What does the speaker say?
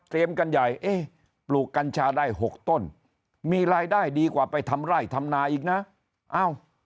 กันใหญ่เอ๊ะปลูกกัญชาได้๖ต้นมีรายได้ดีกว่าไปทำไร่ทำนาอีกนะเอ้า